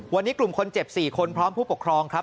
วันนี้กลุ่มคนเจ็บ๔คนพร้อมผู้ปกครองครับ